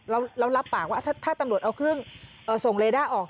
เรารับปากว่าถ้าตำรวจเอาเครื่องส่งเรด้าออก